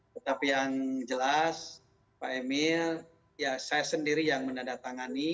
tetapi yang jelas pak emil ya saya sendiri yang menandatangani